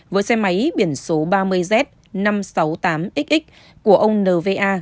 với xe máy biển số ba mươi z năm trăm sáu mươi tám xx của ông nva